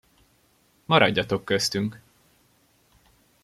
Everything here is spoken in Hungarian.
Maradjatok köztünk!